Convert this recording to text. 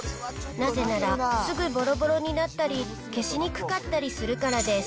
なぜならすぐぼろぼろになったり、消しにくかったりするからです